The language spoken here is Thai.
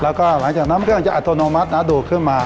แล้วก็หลังจากน้ำเครื่องจะอัตโนมัตินะดูดขึ้นมา